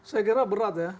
saya kira berat ya